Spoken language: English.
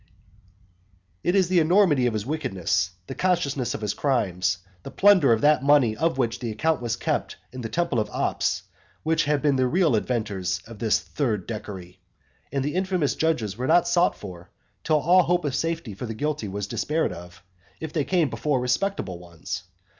It is the enormity of his wickedness, the consciousness of his crimes, the plunder of that money of which the account was kept in the temple of Ops, which have been the real inventors of this third decury. And infamous judges were not sought for, till all hope of safety for the guilty was despaired of, if they came before respectable ones.